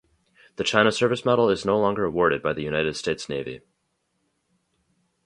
The China Service Medal is no longer awarded by the United States Navy.